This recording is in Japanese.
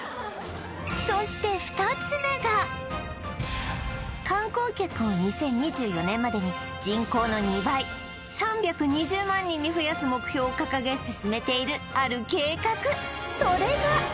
そして２つ目が観光客を２０２４年までに人口の２倍３２０万人に増やす目標を掲げ進めているある計画それが！